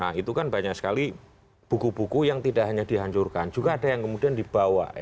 nah itu kan banyak sekali buku buku yang tidak hanya dihancurkan juga ada yang kemudian dibawa